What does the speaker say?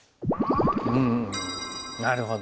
うんなるほど。